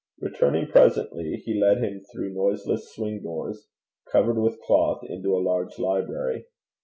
Returning presently, he led him through noiseless swing doors covered with cloth into a large library.